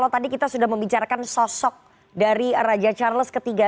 tadi kita sudah membicarakan sosok dari raja charles iii